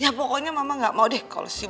ya pokoknya mama gak mau deh kalau si